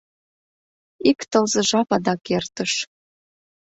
Ик тылзе жап адак эртыш.